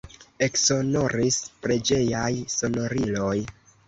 Eksonoris preĝejaj sonoriloj.